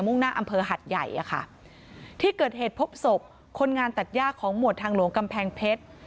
่งหน้าอำเภอหัดใหญ่อะค่ะที่เกิดเหตุพบศพคนงานตัดย่าของหมวดทางหลวงกำแพงเพชร